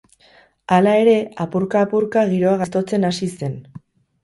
Hala ere, apurka-apurka giroa gaiztotzen hasi zen.